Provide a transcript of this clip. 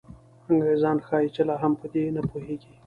انګریزان ښایي چې لا هم په دې نه پوهېږي.